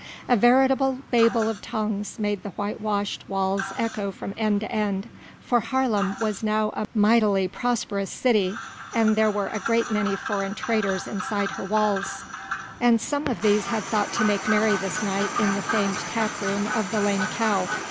A veritable babel of tongues made the white washed walls echo from end to end, for Haarlem now was a mightily prosperous city, and there were a great many foreign traders inside her walls, and some of these had thought to make merry this night in the famed tap room of the "Lame Cow."